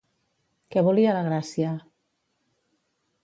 Què volia la Gràcia?